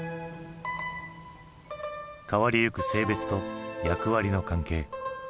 変わりゆく性別と役割の関係。